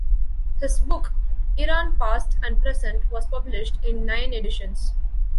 His book "Iran Past and Present", was published in nine editions.